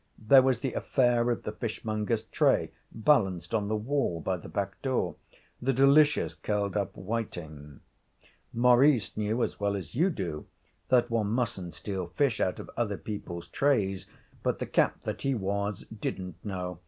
There was the affair of the fishmonger's tray balanced on the wall by the back door the delicious curled up whiting; Maurice knew as well as you do that one mustn't steal fish out of other people's trays, but the cat that he was didn't know.